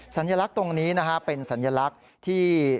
สัญลักษณ์ตรงนี้นะฮะเป็นสัญลักษณ์ที่